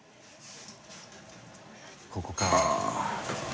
ここか。